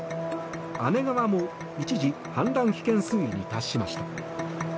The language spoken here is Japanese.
姉川も一時氾濫危険水位に達しました。